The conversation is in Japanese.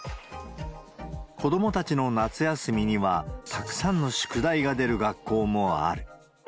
子どもたちの夏休みにはたくさんの宿題が出る学校もある。